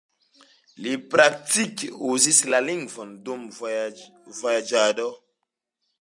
Li praktike uzis la lingvon dum vojaĝado.